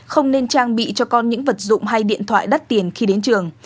không nên trang bị cho con những vật dụng hay điện thoại đắt tiền khi đến trường